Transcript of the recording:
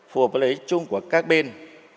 phù hợp với lấy chung của các bên